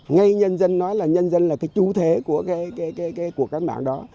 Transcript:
ngay nhân dân nói là nhân dân là chú thế của các mạng đó